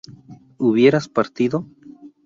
¿hubieras partido?